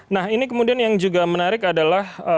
nah ini kemudian yang juga menarik adalah